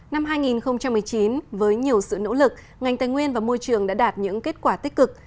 năm hai nghìn một mươi chín với nhiều sự nỗ lực ngành tài nguyên và môi trường đã đạt những kết quả tích cực